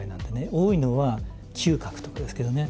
多いのは嗅覚とかですけどね。